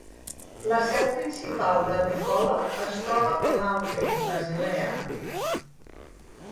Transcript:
La seu principal de Ricola es troba a Laufen, Basilea.